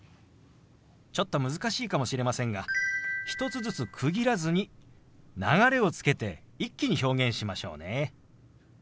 ちょっと難しいかもしれませんが１つずつ区切らずに流れをつけて一気に表現しましょうね。